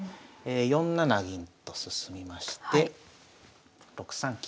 ４七銀と進みまして６三金。